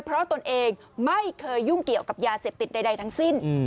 เพราะตนเองไม่เคยยุ่งเกี่ยวกับยาเสพติดใดทั้งสิ้น